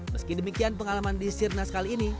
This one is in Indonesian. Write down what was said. meski demikian pengalaman di sirnas kali ini